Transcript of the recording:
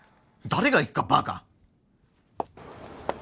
誰が行くかバカ！